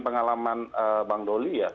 pengalaman bang doli ya